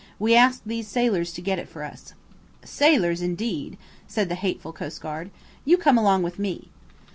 We asked these sailors to get it for us." "Sailors, indeed!" said the hateful coastguard. "You come along with me."